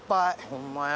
ホンマや。